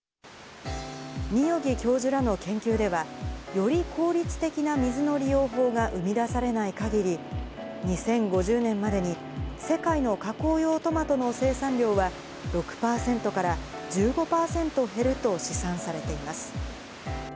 ニヨギ教授らの研究では、より効率的な水の利用法が生み出されないかぎり、２０５０年までに世界の加工用トマトの生産量は、６％から１５％減ると試算されています。